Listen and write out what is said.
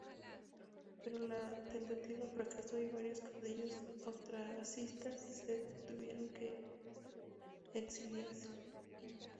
Pero la tentativa fracasó y varios caudillos austracistas se tuvieron que exiliarse.